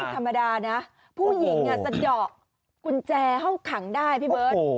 ธรรมดานะผู้หญิงสะดอกกุญแจห้องขังได้พี่เบิร์ต